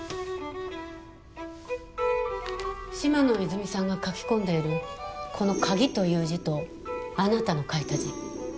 嶋野泉水さんが書き込んでいるこの「鍵」という字とあなたの書いた字